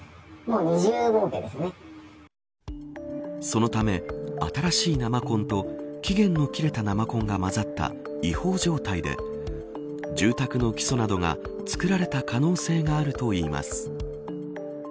そのため、新しい生コンと期限の切れた生コンが混ざった違法状態で住宅の基礎などがつくられた可能性があるといいます。